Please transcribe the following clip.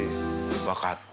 分かった？